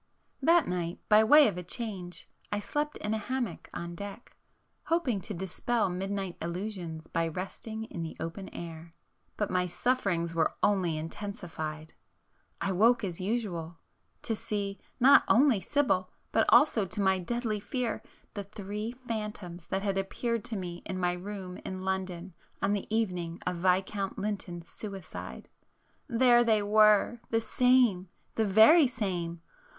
That night by way of a change, I slept in a hammock on [p 455] deck, hoping to dispel midnight illusions by resting in the open air. But my sufferings were only intensified. I woke as usual, ... to see, not only Sibyl, but also to my deadly fear, the Three Phantoms that had appeared to me in my room in London on the evening of Viscount Lynton's suicide. There they were,—the same, the very same!